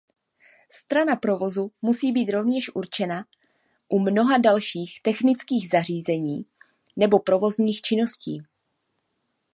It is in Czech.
Strana provozu musí být rovněž určena u mnoha dalších technických zařízení nebo provozních činností.